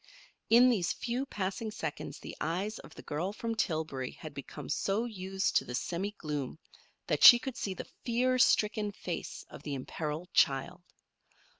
In these few passing seconds the eyes of the girl from Tillbury had become so used to the semi gloom that she could see the fear stricken face of the imperiled child.